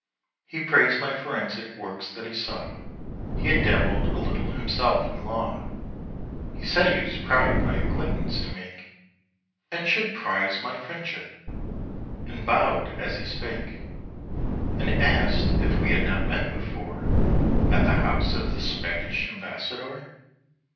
He praised my forensic works that he saw, He had dabbled a little himself in law. He said he was proud my acquaintance to make, And should prize my friendship, and bowed as he spake. And asked if we had not met before At the house of the Spanish Ambassador?